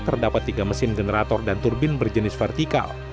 terdapat tiga mesin generator dan turbin berjenis vertikal